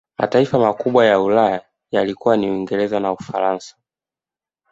Mataifa makubwa ya Ulaya yalikuwa ni Uingereza na Ufaransa